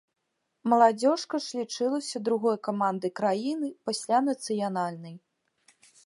Маладзёжка ж лічылася другой камандай краіны, пасля нацыянальнай.